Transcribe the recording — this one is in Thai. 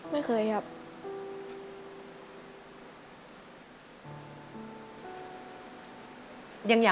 ไม่เคย